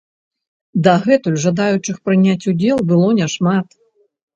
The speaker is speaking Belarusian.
Дагэтуль жадаючых прыняць удзел было не шмат.